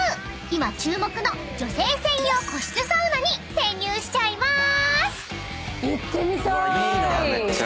［今注目の女性専用個室サウナに潜入しちゃいまーす］